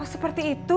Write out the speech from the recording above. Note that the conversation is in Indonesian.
oh seperti itu